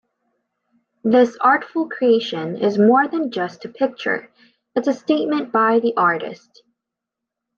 This artful creation is more than just a picture, it's a statement by the artist.